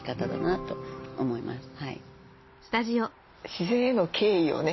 自然への敬意をね